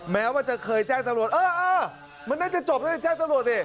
แม้ว่าจะเคยแจ้งตำรวจเออเออมันน่าจะจบแล้วจะแจ้งตำรวจสิ